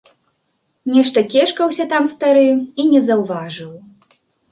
Нешта кешкаўся там стары і не заўважыў.